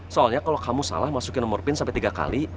soalnya kalau kamu salah masukin nomor pin sampai tiga kali